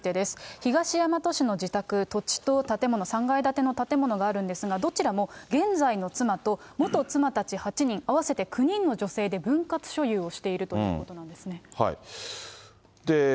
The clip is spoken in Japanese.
東大和市の自宅、土地と建物、３階建ての建物があるんですが、どちらも現在の妻と、元妻たち８人、合わせて９人の女性で分割所有をしているということなんですね。